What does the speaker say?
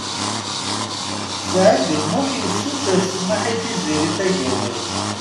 Saɛid U Muḥ yessuter smeḥ i Tiziri Tagawawt.